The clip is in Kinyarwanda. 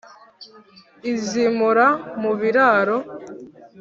izimura mu biraro